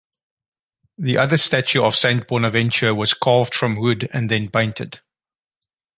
The other statue of Saint Bonaventure was carved from wood and then painted.